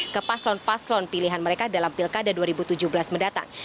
ke paslon paslon pilihan mereka dalam pilkada dua ribu tujuh belas mendatang